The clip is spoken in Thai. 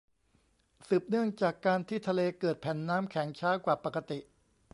สืบเนื่องจากการที่ทะเลเกิดแผ่นน้ำแข็งช้ากว่าปกติ